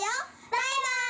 バイバイ！